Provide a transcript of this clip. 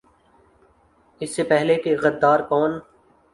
اس سے پہلے کہ "غدار کون؟